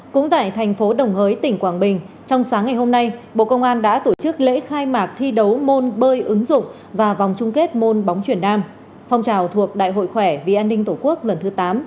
cũng tại thành phố đồng hới tỉnh quảng bình trong sáng ngày hôm nay bộ công an đã tổ chức lễ khai mạc thi đấu môn bơi ứng dụng và vòng chung kết môn bóng truyền nam phong trào thuộc đại hội khỏe vì an ninh tổ quốc lần thứ tám